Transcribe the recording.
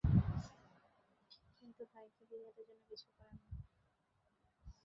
কিন্তু হায়, কেহই ইহাদের জন্য কিছুই করে নাই।